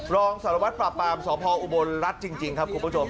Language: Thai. รองสารวัตรปราบปรามสพอุบลรัฐจริงครับคุณผู้ชม